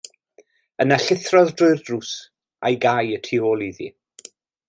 Yna llithrodd drwy'r drws, a'i gau y tu ôl iddi.